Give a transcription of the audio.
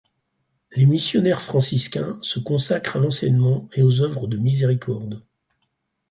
Les missionnaires franciscains se consacrent à l'enseignement et aux œuvres de miséricorde.